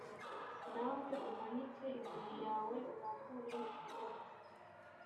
nawe umanike inkoni yawe urambure ukuboko